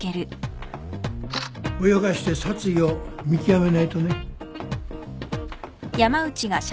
泳がして殺意を見極めないとね。